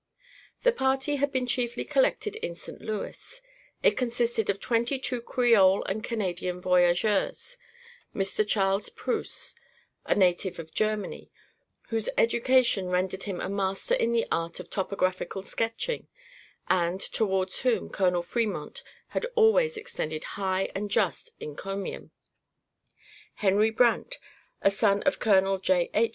The party had been chiefly collected in St. Louis. It consisted of twenty two Creole and Canadian voyageurs; Mr. Charles Preuss, a native of Germany, whose education rendered him a master in the art of topographical sketching, and, towards whom, Colonel Fremont has always extended high and just encomium; Henry Brant, a son of Colonel J.H.